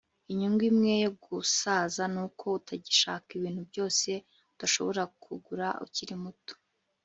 Inyungu imwe yo gusaza nuko utagishaka ibintu byose udashobora kugura ukiri muto